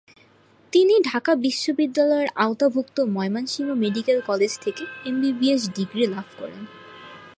তিনি ঢাকা বিশ্ববিদ্যালয়ের আওতাভুক্ত ময়মনসিংহ মেডিকেল কলেজ থেকে এমবিবিএস ডিগ্রি লাভ করেন।